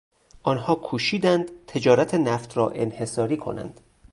آنها کوشیدند تجارت نفت را انحصاری کنند.